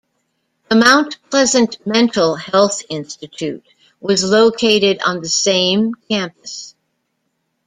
The Mount Pleasant Mental Health Institute was located on the same campus.